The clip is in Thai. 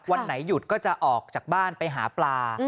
วันไหนหยุดก็จะออกจากบ้านไปหาปลา